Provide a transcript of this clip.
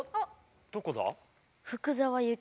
どこだ？